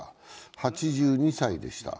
８２歳でした。